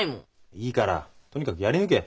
いいからとにかくやり抜け。